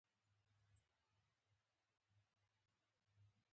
تدريسي کال پيل شو.